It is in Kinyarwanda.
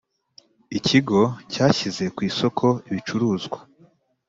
Ikigo cyashyize ku isoko ibirucuruzwa